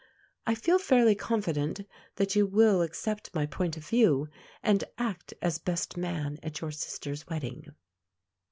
I feel fairly confident that you will accept my point of view, and act as best man at your sister's wedding.